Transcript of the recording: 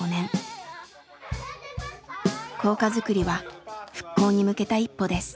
校歌づくりは復興に向けた一歩です。